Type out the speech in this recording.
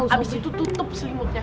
abis itu tutup selimutnya